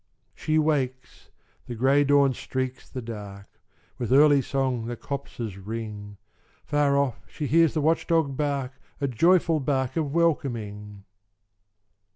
She wakes: the grey dawn streaks the dark: With early song the copses ring: Far off she hears the watch dog bark A joyful bark of welcoming!